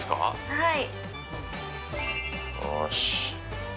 はい。